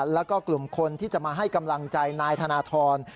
แล้วก็กลุ่มคนที่จะมาให้กำลังใจนายธนทร